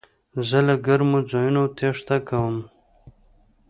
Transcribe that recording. زه له ګرمو ځایونو تېښته کوم.